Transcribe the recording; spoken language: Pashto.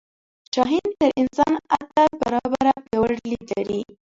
شاهین تر انسان اته برابره پیاوړی لید لري